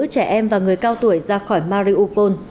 trẻ em và người cao tuổi ra khỏi mariupol